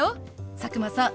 佐久間さん